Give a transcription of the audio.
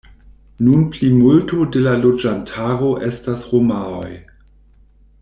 Nun plimulto de la loĝantaro estas romaoj.